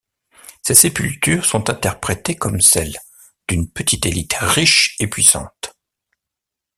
Ces sépultures sont interprétées comme celles d’une petite élite riche et puissante.